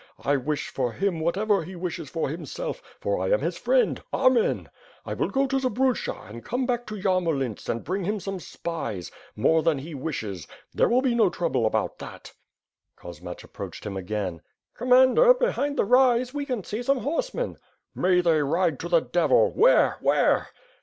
I wish for him whatever he wishes for himself, for I am his friend. Amen. I will go to Zbrucha and come back to Yannolints and bring him some spies; more than he wishes. There will be no trouble about that." Kosmach approached him again: "Commander, behind the rise, we can see some horsemen." "May they ride to the devil! Where? Where?"